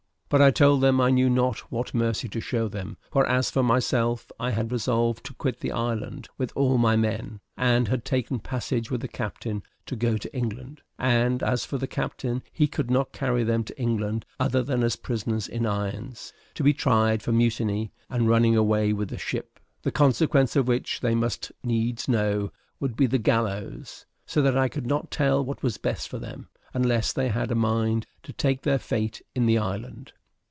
But I told them I knew not what mercy to show them; for as for myself, I had resolved to quit the island with all my men, and had taken passage with the captain to go to England; and as for the captain, he could not carry them to England other than as prisoners in irons, to be tried for mutiny and running away with the ship; the consequence of which, they must needs know, would be the gallows; so that I could not tell what was best for them, unless they had a mind to take their fate in the island.